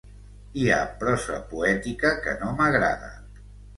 Hi ha prosa poètica que no m'agrada.